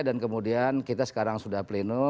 dan kemudian kita sekarang sudah pelenuh